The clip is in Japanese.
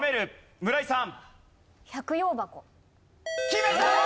決めたー！